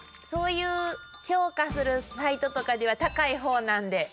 そういう評価するサイトとかでは高い方なんで。